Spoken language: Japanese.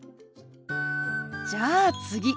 じゃあ次。